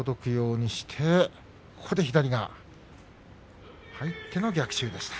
そして左が入っての逆襲でした。